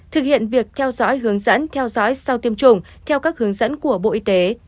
thực hiện việc theo dõi hướng dẫn theo dõi sau tiêm chủng theo các hướng dẫn của bộ y tế